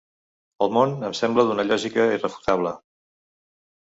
El món em sembla d'una lògica irrefutable.